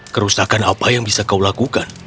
kerusakan apa yang bisa kau lakukan